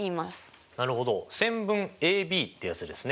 なるほど線分ＡＢってやつですね。